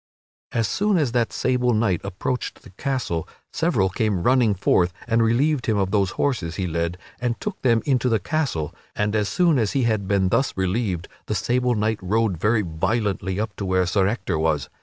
As soon as that sable knight approached the castle, several came running forth and relieved him of those horses he led and took them into the castle, and as soon as he had been thus relieved the sable knight rode very violently up to where Sir Ector was.